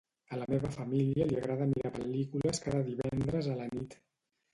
A la meva família li agrada mirar pel·lícules cada divendres a la nit.